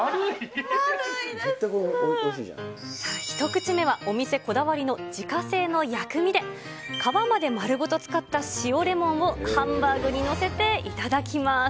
１口目は、お店こだわりの自家製の薬味で、皮まで丸ごと使った塩レモンをハンバーグに載せて頂きます。